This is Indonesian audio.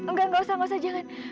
nggak nggak usah nggak usah jangan